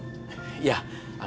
いやあの。